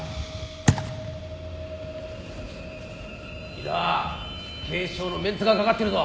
井沢警視庁のメンツが懸かってるぞ。